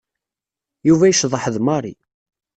Yuba yecḍeḥ d Mary.